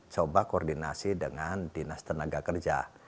coba koordinasi dengan dinas tenaga kerja